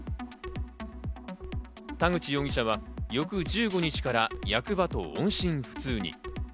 田口容疑者は翌１５日から役場と音信不通に。